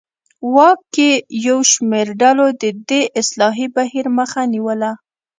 واک کې یو شمېر ډلو د دې اصلاحي بهیر مخه نیوله.